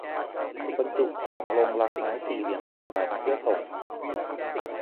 บรรจุของลงลังไม้สี่เหลี่ยมจัตุรัสเพื่อส่ง